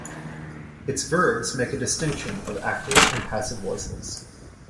Its verbs make a distinction of active and passive voices.